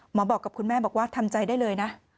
บอกกับคุณแม่บอกว่าทำใจได้เลยนะ